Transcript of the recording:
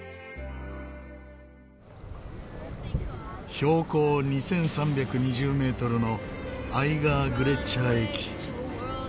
標高２３２０メートルのアイガーグレッチャー駅。